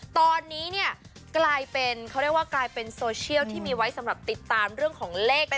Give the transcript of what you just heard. ตอนนี้เนี่ยกลายเป็นเขาเรียกว่ากลายเป็นโซเชียลที่มีไว้สำหรับติดตามเรื่องของเลข